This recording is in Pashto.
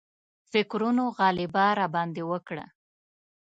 فکرونو غلبه راباندې وکړه.